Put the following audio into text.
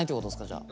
じゃあ。